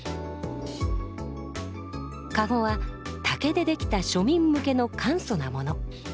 駕籠は竹で出来た庶民向けの簡素なもの。